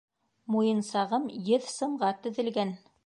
Муйынсағым еҙ сымға теҙелгән!